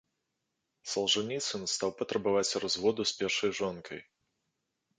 Салжаніцын стаў патрабаваць разводу з першай жонкай.